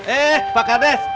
eh pak kades